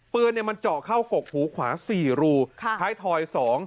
ปืนมันเจาะเข้ากกหูขวา๔รูท้ายทอย๒